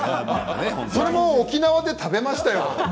それも沖縄で食べましたよ。